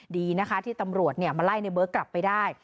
ดีนะคะที่ตำรวจมาไล่ในเบิร์ตกลับไปได้